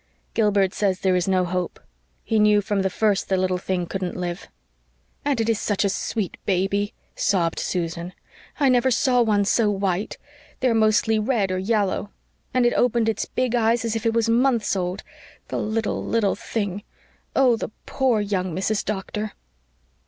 Gilbert says there is no hope. He knew from the first the little thing couldn't live." "And it is such a sweet baby," sobbed Susan. "I never saw one so white they are mostly red or yallow. And it opened its big eyes as if it was months old. The little, little thing! Oh, the poor, young Mrs. Doctor!"